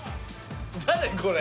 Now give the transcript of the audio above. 誰これ。